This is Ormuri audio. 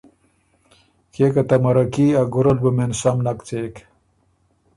کيې که ته مَرکي ا ګُرل بُو مېن سم نک څېک۔